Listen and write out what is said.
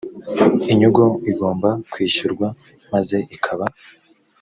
inyungu igomba kwishyurwa maze ikaba